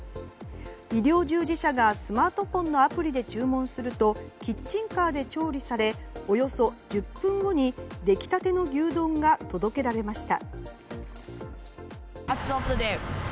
医療従事者がスマートフォンのアプリで注文するとキッチンカーで調理されおよそ１０分後に出来立ての牛丼が届けられました。